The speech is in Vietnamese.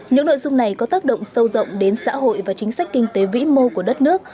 những nội dung này có tác động sâu rộng đến xã hội và chính sách kinh tế vĩ mô của đất nước